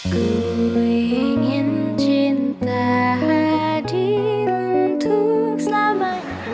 gue ingin cinta hadir untuk selamanya